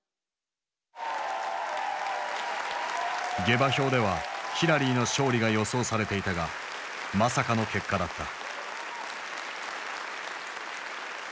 下馬評ではヒラリーの勝利が予想されていたがまさかの結果だった。